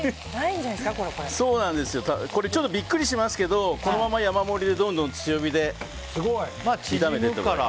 これビックリしますけどこのまま山盛りでどんどん強火で炒めていってください。